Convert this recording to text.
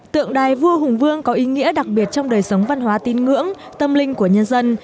tượng đài vua hùng vương có ý nghĩa đặc biệt trong đời sống văn hóa tin ngưỡng tâm linh của nhân dân